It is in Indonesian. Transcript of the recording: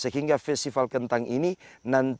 sehingga festival kentang ini menjadi suatu perwujudan untuk kita